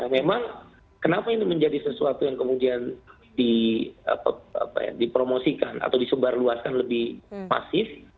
memang kenapa ini menjadi sesuatu yang kemudian dipromosikan atau disebarluaskan lebih masif